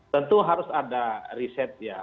tentu harus ada riset ya